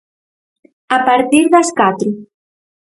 A partir das catro.